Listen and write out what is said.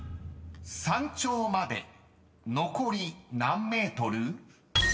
［山頂まで残り何ｍ？］